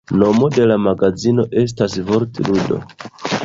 Nomo de la magazino estas vortludo.